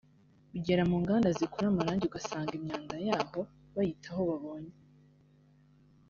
ugera mu nganda zikora amarangi ugasanga imyanda yaho bayita aho babonye